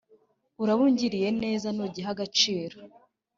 uraba ungiriye neza nugiha agaciro